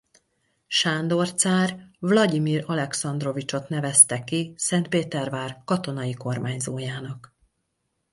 Sándor cár Vlagyimir Alekszandrovicsot nevezte ki Szentpétervár katonai kormányzójának.